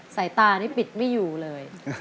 สายตานี่ปิดไม่อยู่เลย